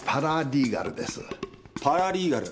パラリーガル。